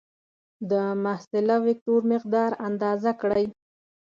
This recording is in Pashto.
د محصله وکتور مقدار اندازه کړئ.